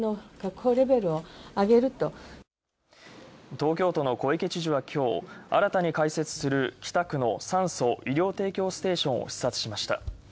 東京都の小池知事はきょう、新たに開設する、北区の「酸素・医療提供ステーション」を視察しました。